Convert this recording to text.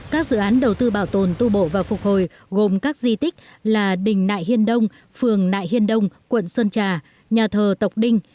các dự án đầu tư bảo tồn tu bổ và phục hồi gồm các di tích là đình nại hiên đông phường nại hiên đông quận sơn trà nhà thờ tộc đinh